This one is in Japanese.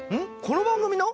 この番組の？